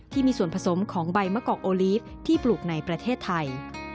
ที่มีส่วนผสมของใบมะกอกโอลีฟที่ปลูกในประเทศไทย